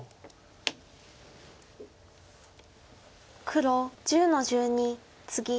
黒１０の十二ツギ。